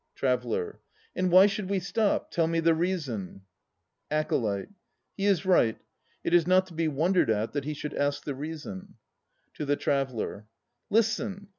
TRAVELLER. And why should we stop? Tell me the reason. ACOLYTE. He is right It is not to be wondered at that he should ask the reason. (To the TRAVELLER.) Listen.